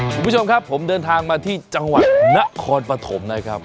คุณผู้ชมครับผมเดินทางมาที่จังหวัดนครปฐมนะครับ